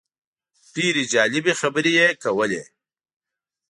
ډېرې جالبې خبرې یې کولې.